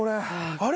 あれ？